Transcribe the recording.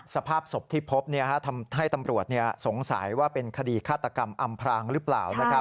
สภาพศพที่พบทำให้ตำรวจสงสัยว่าเป็นคดีฆาตกรรมอำพรางหรือเปล่า